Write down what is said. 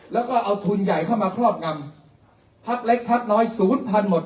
แล้วก็เอาทุนใหญ่เข้ามาครอบงำพักเล็กพักน้อยศูนย์พันหมด